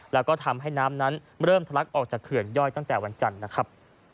แล้วก็ทำให้น้ำนั้นเริ่มทะลักออกจากเขื่อนย่อยตั้งแต่วันจันทร์นะครับ